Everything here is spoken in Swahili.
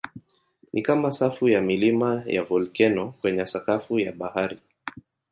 Ni kama safu ya milima ya volkeno kwenye sakafu ya bahari.